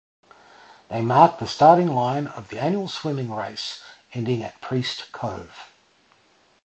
They mark the starting line of the annual swimming race ending at Priest Cove.